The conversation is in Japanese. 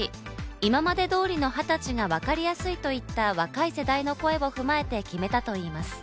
今まで通りの二十歳がわかりやすいといった若い世代の声を踏まえて決めたといいます。